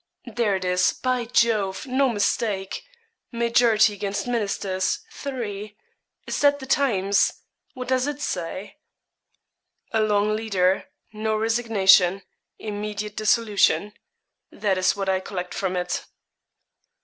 there it is, by Jove no mistake majority against ministers, three! Is that the "Times?" What does it say?' 'A long leader no resignation immediate dissolution. That is what I collect from it.'